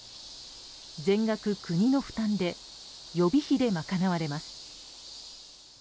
全額、国の負担で予備費で賄われます。